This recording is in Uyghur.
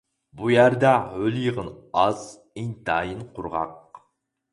بۇ يەردە ھۆل-يېغىن ئاز، ئىنتايىن قۇرغاق.